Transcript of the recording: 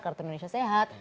kartu indonesia sehat